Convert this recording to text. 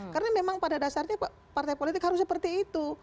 karena memang pada dasarnya partai politik harus seperti itu